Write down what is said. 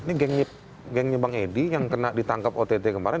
ini geng nyibang edi yang kena ditangkap ott kemarin